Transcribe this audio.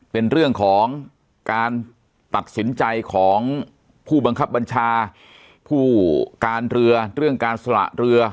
เป็นเรื่องของการตัดสินใจของผู้บังคับบัญชาผู้การเรือเรื่องการสละเรือ